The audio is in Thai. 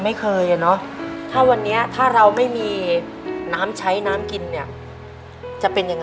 ในแคมเปญพิเศษเกมต่อชีวิตโรงเรียนของหนู